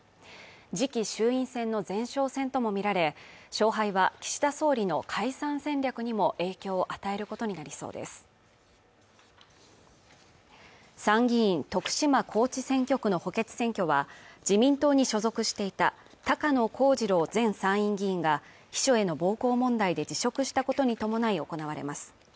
次期衆院選の前哨戦とも見られ勝敗は岸田総理の解散戦略にも影響を与えることになりそうです参議院、徳島高知選挙区の補欠選挙は自民党に所属していた高野光二郎前参院議員が秘書への暴行問題で辞職したことに伴い行われます